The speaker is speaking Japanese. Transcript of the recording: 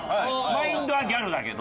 マインドはギャルだけど。